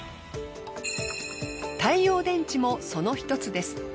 太陽電池もその１つです。